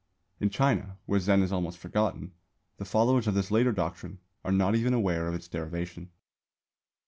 In China, where Zen is almost forgotten, the followers of this later doctrine are not even aware of its derivation.